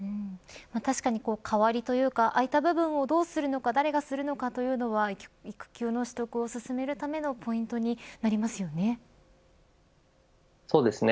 確かに、代わりというか空いた部分をどうするのか誰がするのかというのは育休の取得を進めるためのそうですね。